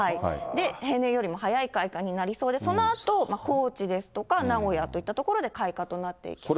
平年よりも早い開花になりそうで、そのあと高知ですとか、名古屋といった所で開花となっていきそうですね。